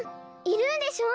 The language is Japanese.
いるんでしょ？